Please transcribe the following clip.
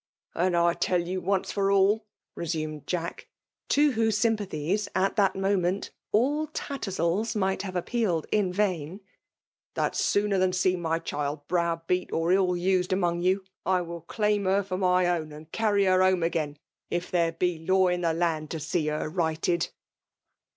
*' And I tell you once for all/* natiHied Jackr 4o whose sympathies, at that moment, all Tatteiaall s might have appealed in vm, —that sooner than see my child hrow beator iyrnised awiong you, I will claiai her for jagr own, and carry her home again, if there be law in the land to see her righted."